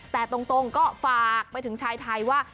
แต่ตรงก็ฝากไปถึงชายไทยว่า